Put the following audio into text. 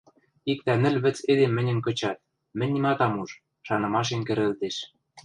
— иктӓ нӹл-вӹц эдем мӹньӹм кычат, мӹнь нимат ам уж, шанымашем кӹрӹлтеш.